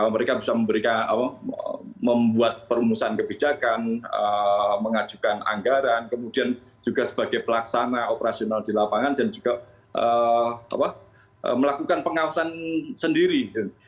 mereka bisa memberikan membuat perumusan kebijakan mengajukan anggaran kemudian juga sebagai pelaksana operasional di lapangan dan juga melakukan pengawasan sendiri